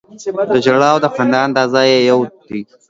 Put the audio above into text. د ژړا او د خندا انداز یې یو دی.